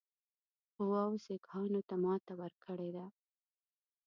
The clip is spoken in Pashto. قواوو سیکهانو ته ماته ورکړې ده.